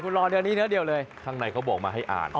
คุณรอเดี๋ยวนี้เนื้อเดียวเลยข้างในเขาบอกมาให้อ่าน